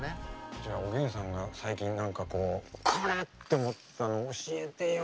じゃあ、おげんさんが最近これ！って思ったの教えてよ！